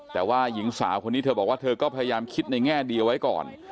แต่ว่าหญิงสาวคนนี้เธอบอกว่าเธอก็พยายามคิดในแง่ดีเอาไว้ก่อน